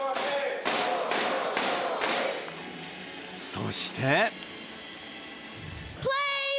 そして。